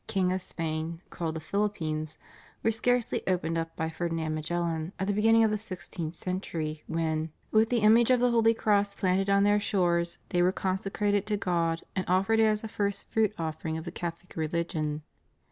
King of Spain, called the Philippines, were scarcely opened up by Ferd inand Magellan at the beginning of the sixteenth century when, with the image of the holy cross planted on their shores, they were consecrated to God and offered as a first fruit offering of the Catholic religion.